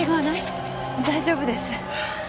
大丈夫です。